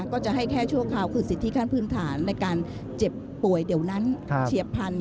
ก็จะให้แค่ชั่วคราวคือสิทธิขั้นพื้นฐานในการเจ็บป่วยเดี๋ยวนั้นเฉียบพันธ